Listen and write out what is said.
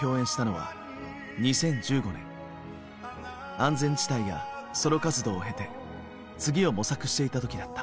安全地帯やソロ活動を経て次を模索していた時だった。